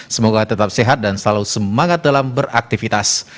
semoga tetap sehat dan selalu semangat dalam beraktivitas